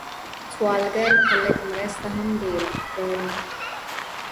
سوالګر ته لږ مرسته هم ډېره ښکاري